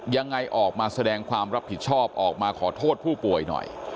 ยังไงออกมาแสดงความรับผิดชอบออกมาขอโทษผู้ป่วยหน่อย